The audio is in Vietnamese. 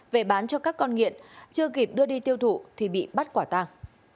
về bán cho các con nghiện chưa kịp đưa đi tiêu thụ thì bị bắt quả tàng